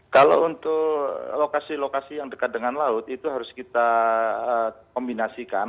kalau untuk lokasi lokasi yang dekat dengan laut itu harus kita kombinasikan